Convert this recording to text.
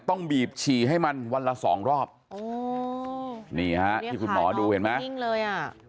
ต้องบีบฉี่ให้มันวันละ๒รอบนี่ค่ะคุณหมอดูเห็นมั้ย